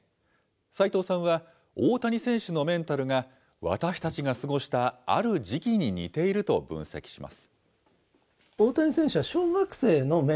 齋藤さんは大谷選手のメンタルが、私たちが過ごしたある時期に似ていると分析します。